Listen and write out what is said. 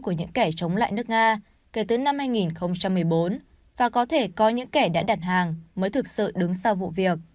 của những kẻ chống lại nước nga kể từ năm hai nghìn một mươi bốn và có thể có những kẻ đã đặt hàng mới thực sự đứng sau vụ việc